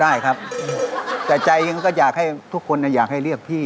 ได้ครับแต่ใจเองก็อยากให้ทุกคนอยากให้เรียกพี่